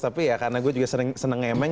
tapi ya karena gue juga seneng nge main